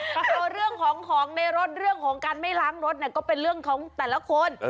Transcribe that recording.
คือเรื่องของของในรถเรื่องของการไม่ล้างรถเนี่ยก็เป็นเรื่องของแต่ละคน